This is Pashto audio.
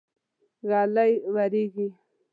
ږلۍ وريږي.